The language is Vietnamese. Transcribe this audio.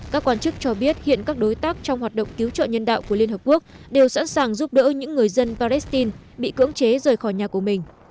các quan chức cho biết hiện các đối tác trong hoạt động cứu trợ nhân đạo của liên hợp quốc đều sẵn sàng giúp đỡ những người dân palestine bị cưỡng chế rời khỏi nhà của mình